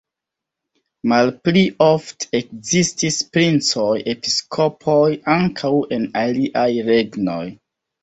Malpli ofte ekzistis princoj-episkopoj ankaŭ en aliaj regnoj.